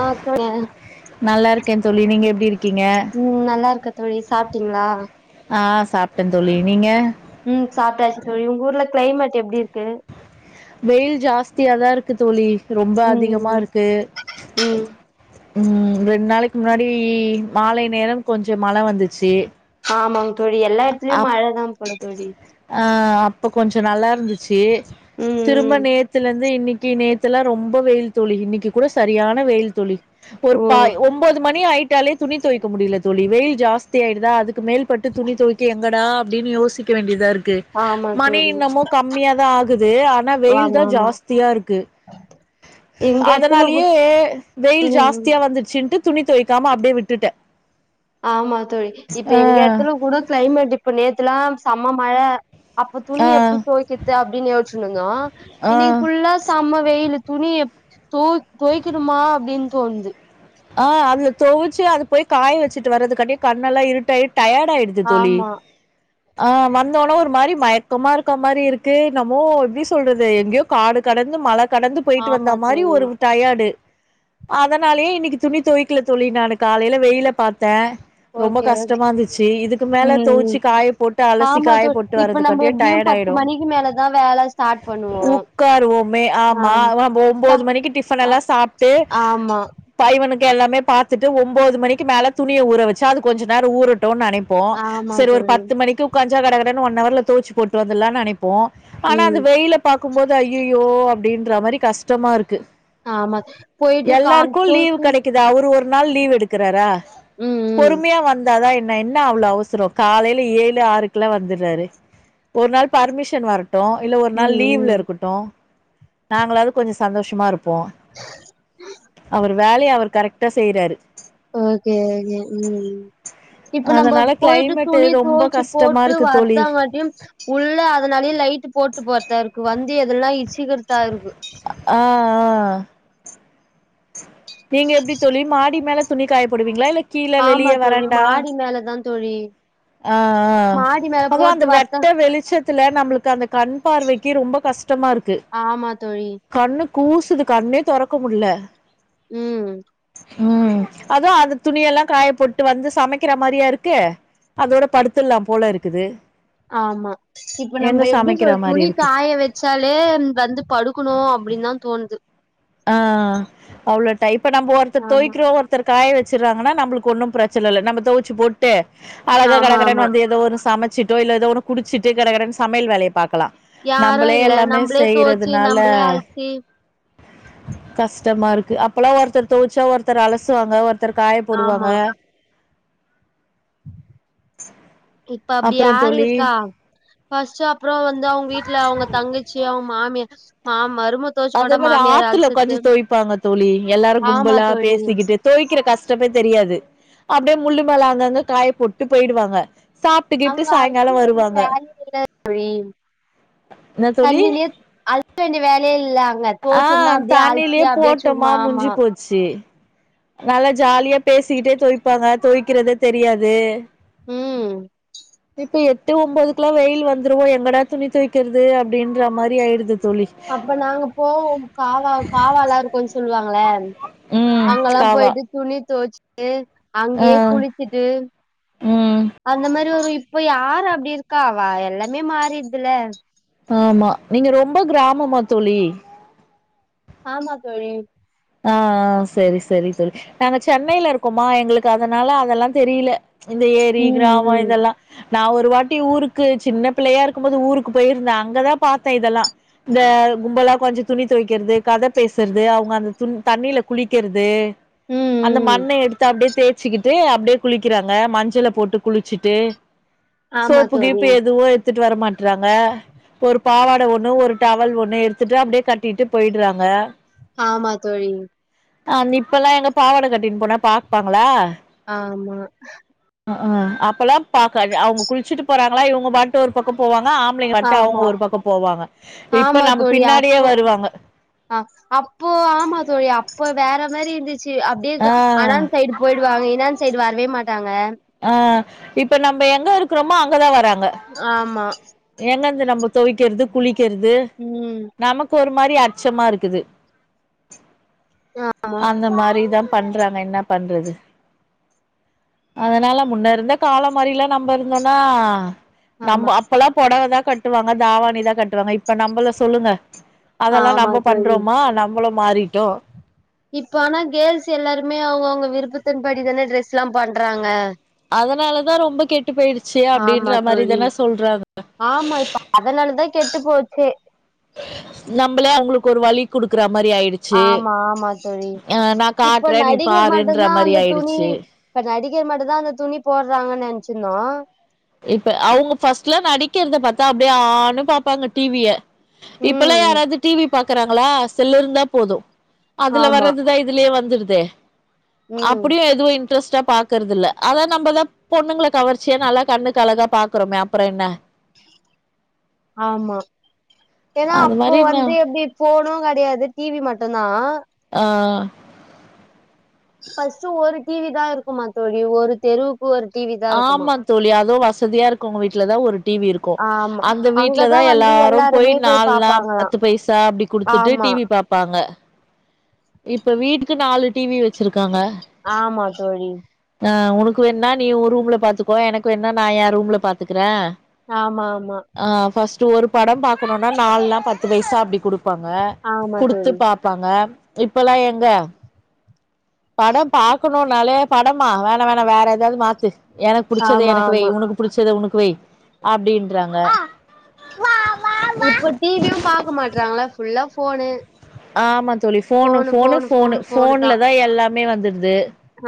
ஆஹ் இருக்கேன் நல்லா இருக்கேன் தோழி நீங்க எப்டி இருக்கீங்க ம் நல்லா இருக்கேன் தோழி சாப்பிட்டீங்களா சாப்பிட்டேன் தோழி நீங்க ம் சாப்பிட்டாச்சு தோழி உங்க ஊர்ல கிளைமேட் எப்படி இருக்கு வெயில் ஜாஸ்தியாதான் இருக்கு தோழி ரொம்ப ம் அதிகமாக ம் இருக்கு ம் ம் ரெண்டு நாளைக்கு முன்னாடி மாலை நேரம் கொஞ்ச மழ வந்துச்சு ஆமா தோழி எல்லா எடத்துலயும் அப் மழைதான் போல தோழி இப்போ கொஞ்சம் நல்லா இருந்துச்சு ம் திரும்ப ம் நேத்துல இருந்து இன்னைக்கு தி நேத்தெல்லா ரொம்ப வெயில் தோழி இன்னைக்கு கூட சரியான வெயில் தோழி ஒரு ஓ பாய் ஒன்பது மணி ஆய்ட் ட்டாலே துணி தொவைக்க முடியல தோழி வெயில் ஜாஸ்தி ஆயிடுதா அதுக்கு மேல்பட்டு துணி தொவைக் எங்கடா அப்டின்னு யோசிக்க வேண்டியதா இருக்கு ஆமா மணி தோழி இன்னமு கம்மியா தா ஆகு து ஆனா வெயில் தா ஆமா ஆமா ஜாஸ்தியா இருக்கு எங்க எடத்துல அதனாலயே வெயில் ம் ம் ஜாஸ்தியா வந்துச்சுன்ட்டு துணி தொவைக்காம அப்படியே விட்டுட்டே ஆமா தோழி இப்ப எங்க இடத்துல கூட கிளைமேட்டிப்ப நேத் த்லா செம்ம மழ அப்ப துணி ஆ எப்படி தொவைக்கற்து அப்டின்னு யோச்சுநிந்தோ இன்னைக்கு ஆ ஃபுல்லா செம்ம வெயிலு துணிய தொய் தொய்க்கணுமா அப்டின் தோனுது ஆ அது தொவுச்சு அது போய் காய வச்சுட்டு வரதுக்காட்டி கண்ணெல்லா இருட்டாயி டயர்டாயிருது தோழி ஆமா ஆ வந்தோனே ஒரு மாரி மயக்கமா இருக்க மாரி இருக்கு நம்மோ எப்டி சொல்றது எங்கேயோ காடு கடந்து மழ கடந்து போயிட்டு ஆமா வந்த மாரி தோழி ஒரு டயார்டு அதனாலயே இன்னிக்கு துணி தொவ்கல தோழி நானு காலையில வெயில பாத் த்த ரொம்ப ஓகே ஓகே கஷ்டமா இருந்துச்சு இதுக்கு மேல ம் தொவுச்சு ம் காய போட்டு அலசி ஆமா காய தோ போட்டு இப்ப நம்ம வர்றதுக்கட்டிய எப்டியு டயார்ட் பத்து ஆயிடு மணிக்கு மேலதா வேல ஸ்டார்ட் பண்ணுவோ உக்காருவோமே ஆமா ஆம் சா ஒன்பது மணிக்கு டிஃபன் ஆ எல்லா சாப்ட்டு ஆமா பனுக்கு எல்லாமே பாத்துட்டு ஒன்பது மணிக்கு மேலே துணிய ஊற வச்சு அது கொஞ்ச நேர ஊரு டு நினைப்போ ஆமா சரி ஒரு தோழி பத்து மணிக்கு உட்காஞ்சா கடகட ஒன்னவர்ல தோச்சி போட்டு வந்தலான் நெனப் போ ஆனா ம் அந்த வெயில பாக் கும்போது ஐய்யய்யோ அப்டின்ற மாரி கஷ்டமா இருக்கு ஆமா போயிட்டு கான் எல்லாருக்கு லீவ் கிடைக்கதாவு ஒரு நாள் லீவ் எடுக்கறாரா ம் ம் பொறுமையா வந்தாதா என் நா என்ன அவ்ள அவசர காலையில் ஏழு ஆறுக்குலா வந்துர்றாரு ஒரு நாள் பர்மிஷன் வரட் ட்டு இல்ல ஒரு நாள் ம் லீவ்ல ம் இருக்கட்டு நாங்களாவது கொஞ்ச சந்தோஷமா இருப்போ உ அவர் வேலய அவர் கரெக்ட்டா செய்றாரு ஓகே ஓகே ம் இப்ப நம்ப அதனால போயிட்டு கிளைமேட் துணி ரொம்ப தொவச்சு கஷ்டமா போட்டு இருக்கு தோழி வர்தா மாட்டியு உள்ள அதனாலயே லைட்டு போட்டு போறத்தா இருக்கு வந்து எதெல்லா இ சிகுர்த்தா இருக்கு ஆ ஆ நீங்க எப்டி தோழி மாடி மேல துணி காயப்போடுவீங்களா இல்ல கீழ ஆமா வெளிய தோழி வராண்டா மாடி மேலதா தோழி ஆ மாடி மேல அது போட்டு அந்த வர்த்தா வெட்ட வெளிச்சத்துல நம்மளுக்கு அந்த கண் பார்வைக்கி ரொம்ப கஷ்டமா இருக்கு ஆமா தோழி கண்ணு கூசுது கண்ணே தொறக்க முடில ம் ம் அது அந்த துணியெல்லா காயப்போட்டு வந்து சமைக்கிற மாரியா இருக்கு அதோட படுத்தர்லாம் போல இருக்குது ஆமா இப்ப நம்ம எங்க எப்டி சொ சமைக்கிற மாரி துணி இருக்கு காய வச்சாலே வந்து படுக்கணு அப்டின்னுதா தோணுது ஆ அவ்ளோ டை இப்ப நம்போ ஒருத்தர் ஆமா தொவைக்கிறோ ஒருத்தர் காய வச்சுர்றாங்கன்னா நம்பளுக்கு ஒன்னும் பிரச்சன இல்ல நம்ம தொவச்சு போட்டு அழக ஆமா கடகடன்னு ஆமா வந்து எதோ ஒண்ணு சம ச்சுட்டோ இல்ல எதோ ஒன்ன குடிச்சிட்டு கடகடன்னு சமையல் வேலைய பாக்கலா யாரு நம்பளே இல்ல எல்லாமே நம்பளே தோச்சு செய்யறதுனால நம்பளே அலசி கஷ்டமா இருக்கு அப்பெல்லா ஒருத்தர் தொவச்சா ஒருத்தர் அலசுவாங்க ஒரு த்தர் காய போடுவாங்க ஆமா இப்ப அப்டி அப்புறோ யாரு தோழி இருக்கா ஃபஸ்ட்டு அ ப்றோ வந்து அவங்க வீட்ல அவங்க தங்கச்சி அவங்க மாமியா மாம் அத விட ஆத்துல உக்காஞ்சு தொவிப்பாங்க தோழி எல்லாரு ஆமா கும்பலா தோழி பேசிக்கிட்டு தொவிக்கிற கஷ் டமே தெரியாது. அப்டியே முள்ளு மேல அங்கங்க காய போட்டு போயிடுவாங்க சாப்ட்டு கீப்ட்டு அங்க அல்ச சாயங்காலோ வேண்டிய வருவாங்க வேலையே இல்ல தோழி என்ன தோழி தண்ணிலயே அல்ச வேண்டிய வேலையே இல்ல அங்க ஆ தோச்சோம்னா அப்டியே அலசி தண்ணிலயே அப்டியே போட்டமா சும்மா ஆமா முட்ஞ்சி போச்சு நல்லா ஜாலியா பேசிட்டே தொவிப்பாங்க தொவிக்கிறதே தெரியாது ம் இப்ப எ ட்டு ஒம்பதுக்கெல்லா வெயில் வந்துரவு எங்கடா துணி தொவிக்கிறது அப்டின்ற மாரி ஆயிடுது தோழி அப்ப நாங்க போவோ காவா காவால்லா இருக்குன்னு சொல்வாங்கல்ல ம் அங்கல்லா காவா போய்ட்டு துணி தொவச்சுட்டு ஆ அங்கயே குளிச்சுட்டு ம் அந்த மாரி ஒரு இ ப்ப யார் அப்டி இருக்கா வ எல்லாமே மாறிருது இல்ல ஆமா நீங்க ரொம்ப கிராமமா தோழி? ஆமா தோழி. ஆ செரி செரி செரி நாங்க சென்னையில இருக்கோமா எங்களுக்கு அதனால அதல்லா தெரியில இந்த ஏரி ம் கிராமோ ம் இதெல்லா நா ஒரு வாட்டி ஊருக்கு சின்ன பிள்ளையா இருக்கும்போது ஊருக்கு போயிருந்த அங்கதா பாத்த இதெல்லா இந்த கும்பலா கொஞ்ச துணி தொவைக்கிறது கத பேஸ்றது அவங்க அந்த துன் தண்ணியில குளிக்கிறது ம் அந்த ம் மண்ண எடுத்து அப்டியே தேச்சுக்கிட்டு இட்டு அப்டியே குளிக்கிறாங்க மஞ்சள போட்டு குளிச்சுட்டு ஆமா சோப்புக்கு தோழி இப்ப எதுவுமே எடுத்துட்டு வர மாட்டேறாங்க ஒருப் பாவாட ஒண்ணு ஒரு டவல் ஒண்ணு எடுத்துட்டு அப்டியே கட்டிட்டு போயிடுறாங்க ஆமா தோழி அந் இப்பெல்லா எங்க பாவாட கட்டினு போனா பாப்பாங்களா ஆமா அஅ அப்பல்லாம் பாக்க அவங்க குளிச்சிட்டு போறாங்களா இவங்க பாட்டு ஒரு பக்கோ போவாங் ளா ஆம்பளைங்க பாட்டு அவங்க ஆமா ஒரு பக்கோ போவாங்க இப்ப ஆமா நம்ம தோழி பின்னாடியே அப்போ வருவாங்க அ அப்போ ஆமா தோழி அப்ப வேற மாரி இருந்துச் இருச்சு ஆ அப்டியேதா அந்தான்ட சைடு போயிடுவாங்க இனான் சைடு வரவே மாட்டாங்க ஆ இப்ப நம்ம எங்க இருக்குறோமோ அங்கதா வராங் ஆமா இங்க நமுக் தொவைக்கிறது குளிக்கிறது ம் நமக்கு ஒரு மாரி அச்சமா இருக்குது ஆமா அந்த மாரிதா பண்றாங்க என்ன பண்றது அதனால முன்ன இருந்த காலோ மாரில்லா நம்ம இருந்தோன்னா ஆமா நம்ம அப்பல்லா பொடவதாக் கட்டுவாங்க தாவணிதா கட்டுவாங்க இப்ப நம்மள சொல்லுங்க அதல்லா ஆமா நம்ம தோழி பண்றோமா நம்மளு மாறிட்டோ இப்ப ஆனா கேள்ஸ் எல்லாருமே அவங்க அவங்க விருப்பத்தின் படிதான ட்ரெஸ் எல்லா பண்றாங்க அதனாலதா ரொம்ப கெட்டு போயிடுச்சு ஆமா அப்டின்ற தோழி மாரிதான சொல்றாங்க ஆமா இப்ப அதனாலதா கெட்டு போச்சே நம்மளே அவங்களுக்கு ஒரு வழி குடுக்குறப் ஆமா ஆமா தோழி அ நா இப்ப காட்றே நீ நடிகர் பாருன்ற மட்டுந்தா மாரி அந்த துணி ஆயிடுச்சு இப்ப நடிகர் மட்டுந்தாஅந்த துணி போடுறாங்கன் நெனச் ட்டுனா இப்ப அவங்க ஃபஸ்ட்டுல்லா நடிக்கிறத பாத்தா அப்டியே ஆனு பாப்பாங்க டீவிய இப்பெல்லா ம் யாராவது டிவி பாக்குறாங்களா செல்லு இருந்தா போது அதுல ஆமா வறதுதா இதுலயே வந்துரு தே ம் அப்படியும் எதுவும் இல் இன்ரஸ்டா பாக்றதில்ல அதா நம்ப லா பொண்ணுங்கள கவர்ச்சிய நல்லா கண்ணுக்கு அழகா பாக்கறமே அப்புறம் என்ன. ஆமா ஏனா அது அப்போ மாரி நா வந்து எப்டி போணும். கிடையாது டிவி மட்டும் தா ஆ ஃபர்ஸ்ட்டு ஒரு டிவி தா இருக்குமா தோழி ஒரு தெருவுக் ஆமா தோழி அதுவும் வசதியா இருக்கவங்க வீட்லதா ஒரு டிவி இருக்கும் ஆமா அந்த வீட்ல அங்கதா தா வந்து எல்லாரும் போயி எல்லாருமே போய் நால்ல பாப்பாங்களா பத்து பைசா அப்டி குடுத்துட்டு ஆமா டிவி பாப்பாங்க. இப்ப வீட்டுக்கு நாலு டிவி வச்சிருக்காங்க. ஆமா தோழி ஆ உனக்கு வேண்ண நீ உ ரூம்ல பாத்துக்கோ எனக்கு வேண்ண நா எ ரூம்ல பாத்துக்கறேன். ஆமா ஆமா ஆ ஃபர்ஸ்ட் ஒரு படம் பாக்கணுனா நால்னா பத்து பைசா அப்டி குடு ப்பாங்க ஆமா குடுத்து தோழி பாப்பாங்க. இப்பல்லா எங்க. படம் பாக்கணுனாலே படமா வேணா வேணா வேற ஏதாவது மாத்து. எனக்கு புடிச்சத ஆமா எனக்கு வை ஆமா உனக்கு புடிச்சத உனக் வை அப்டின்றாங்க. இப்ப டிவியு பாக்க மாட்றாங்களா ஃபுல்லா ஃபோனு ஆமா த் தோழி ஃபோனு ஃபோனு ஃபோனு ஃபோன்ல தா எல்லாமே வந்துடுது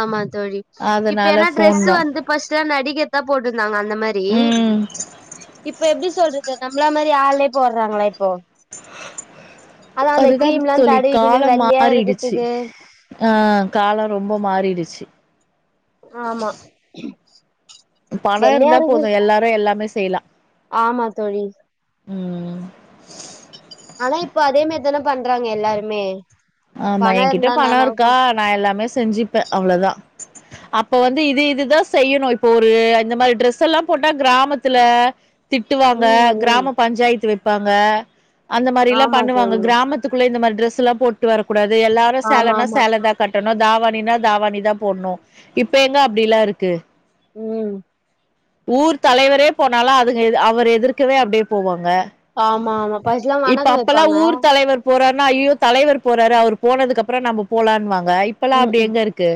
ஆமா தோழி அதனால ஃபோன் தா. [unintelligible] நாங்க அந்த மாரி ம் இப்ப எப்டி சொல்ற இப்ப நம்பள மாரி ஆள்லே போடறாங்களா இப்போ. அதா அந்த அதுதா கிரீம் எல்லா தோழி தடவி காலம் மாறிடுச்சி ஆ காலம் ரொம்ப மாறிடுச்சி ஆமா பண வெள்ளையா இருந்தா இருக்கு போதும் எல்லாரும் எல்லாமே செ செய்லா ஆமா தோழி ம்ம்ம் ஆனா இப்ப அதே மேரி தானே பண்றாங்க எல்லாருமே. ஆமா பண என் கிட்ட இருந்தா பண என்னானாலு இருக்கா பண் நா எல்லாமே செஞ்சிப்பே. அவ்ளதா அப்ப வந்து இது இதுதா செய்யணும் இப்போ ஒரு இந்த மாரி ட்ரெஸ் எல்லாம் போட்டா கிராமத்துல. திட்டுவாங்க ம் ம் கிராம பஞ்சாயத்து வைப்பாங்க. அந்த மாரில்லா ஆமா பண்ணுவாங்க தோழி கிராமத்துக்குள்ள இந்த மாரி டிரெஸ்ல்லா போட் டு வரக் கூடாது எல்லாரு ஆமா சேலனா ஆமா சேலதா கட்டண் தாவாணினா தாவாணிதா போடுணு இப்ப எங்க அப்டிலா இருக்கு ம் ஊர் தலைவரே போனாலு அதுங்க எது அவர் எதிர்க்கவே அப்டியே போவாங்க ஆமா ஆமா ஃபர்ஸ்ட்லா இப்ப வணக்க அப்பல்லா வெப்பாங்க ஊர் தலைவர் போறாரு ன்னா ஐயோ தலைவர் போறாரு அவர் போனதுக்கு அப்புறோ நம்ப போலான் வாங் க இப்பல்லா ம் அப்டி ம் எங்க இருக்கு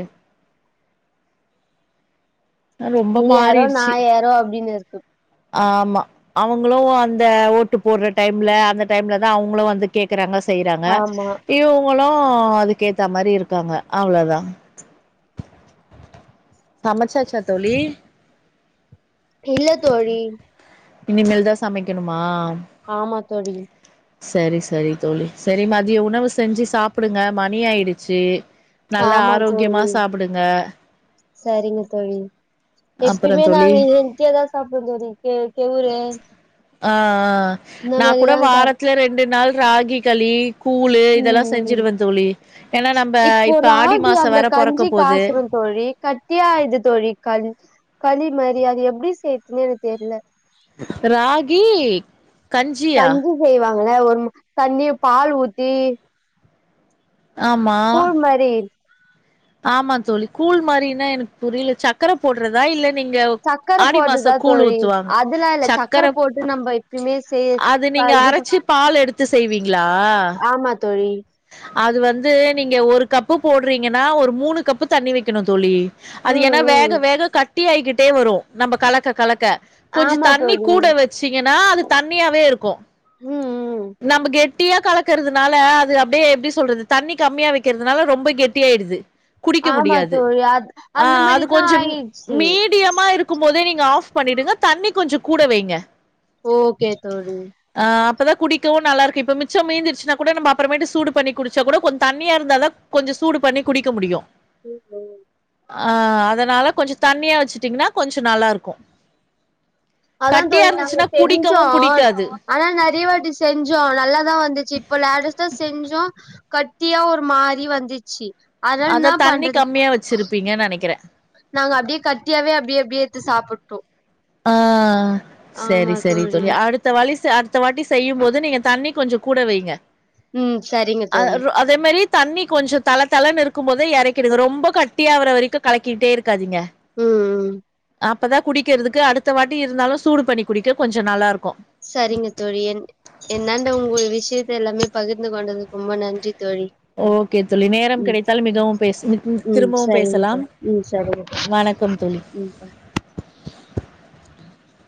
ரொம்ப நீ யாரோ நா மாறிடுச்சு யாரோ அப்டின் இருக் [inaudible] ஆமா அவுங்குளு அந்த ஓட்டு போற டைம்ல அந்த டைம்லதா அவுங்குளு வந்து கேக்கறாங்க செய்றாங்க ஆமா இவுங்குளு அதுக்கேத்த மாரி இருக்காங்க அவ்ளதா சமச்சாச்சா தோழி இல்ல தோழி இனிமேல்தா சமைக்கணுமா ஆமா தோழி சேரி சேரி தோழி சேரி மதிய உணவு செஞ்சு சாப்புடுங்க மணி ஆயிடுச்சு நல்லா ஆமா ஆரோக்யமா சாப்புடுங்க செரிங்க தோழி எப்பயுமே அப்புறம் தோழி நாங்க எங்கேதா சாப்புடுவோ கெவுரு ஆ ஆ இந்த நா கூட மாரிதா சாப் வாரத்துல ரெண்டு நாள் ராகி கலி கூளு ம் இதெல்லா ம் செஞ்சுருவ தோழி ஏன்னா நம்ப இப்போ இப்ப ஆடி ராகி மாசோ வேற பொறக்க போது கட்டியாயிருது தோழி கல் களி மாரி அத எப்டி செய்யிருதுன் எனக்கு தெர்ல ராகி கஞ்சியா கஞ்சி செய்வா ங்கள ஒரு தண்ணி பால் ஊத்தி ஆமா கூழ் மாரி ஆமா தோழி கூழ் மாரினா எனக்கு புரியில சக்கர போடுறதா இல்ல நீங்க சக்கர ஆடி போறதா மாச கூழ் தோழி ஊத்துவாங்க அதல்லா இல்ல சக்கர போட்டு நம்ம எப்பயுமே செய் அது நீங்க இது அரைச்சு பால் எடுத்து செய்வீங்களா ஆமா தோழி அது வந்து நீங்க ஒரு கப்பு போட்றீங்கனா ஒரு மூணு கப்பு தண்ணி வக்கெணு தோழி அது ம் ஏனா ம் வேக வேக க ட்டியாய்கிட்டே வரு நம்ப கலக்க கலக்க கொஞ்ச ஆமா தண்ணி தோழி கூட வச்சீங்கனா அது தண்ணியாவே இருக்கு ம் ம் நம்ம கெ ட்டியா கலக்குறதுனால அது அ ப்டே எப்டி சொல்றது தண்ணி கம்மியா வக்கிறதுனால ரொம்ப கெட்டியாயிடுது குடிக்க ஆமா முடியாது தோழி அத் ஆ அந்த அது மாரிதான் கொஞ்சம் ஆயிடுச்சு மீடியமா இருக்கும் போதே நீங் க ஆஃப் பண்ணிடுங்க தண்ணி கொஞ்ச கூட வைங்க ஓகே தோழி பதா‌ குடிக்கவு நல்லாருக்கு இப்ப மிச்சம் மீந்துருச்சுனா கூட நம்ப அப்பறமேட்டு சூடு பண்ணி குடுச்சா கூட கொஞ் தண்ணியா இருந்தாதா கொஞ்ச சூடு பண்ணி குடிக்க முடியு ம்ஹும் ஆ அதனால கொஞ்ச தண்ணியா வச்சுட்டீங்னா கொஞ்ச நல்லாருக்கு அதா தோழி நாங்க செஞ்சோ புடிக்காது ஆனா நெறைய வாட்டி செஞ்சோ நல்லாதா வந்துச்சு இப்பொ லேட்டஸ்டா செஞ்சோ கட்டியா ஒரு மாரி வந்துச்சி அதா தண்ணி கம்மியா வச்சிருப்பீங்க நெனக்கிறே டியாவே அப்டி அப்டியே எத்து சாப்பிட்டோ ஆ செரி செரி தோழி அடுத்த வலி செ அடுத்த வாட்டி செய்யும் போது நீங்க தண்ணி கொஞ்சொ கூட வைங்க ம் சரிங்க அ தோழி அதே மாரி தண்ணி கொஞ்சொ தள தளன் இருக்கும் போத எறக்கிடுங்க ரொம்ப கட்டியாவுற வரைக்கு கலக்கிட்டே இருக்காதீங்க ம் ம் அப்ப தா குடிக்கற்து க்கு அடுத்த வாட்டி இருந்தாலு சூடு பண்ணி குடிக்க கொஞ்ச நல்லாருக் சரிங்க தோழி என் என்னாண்ட உங்க விஷ்யத்த எல்லாமே பகிர்ந்து கொண்டதுக்கு ரொம்ப நன்றி தோழி ஓகே தோழி நேரம் ம் கிடைத்தால் மிகவும் பேச ம் திரும்பவும் சரிங்க பேசலாம் தோழி ம் சரிங்க தோழி. வணக்கம் தோழி ம் பாய்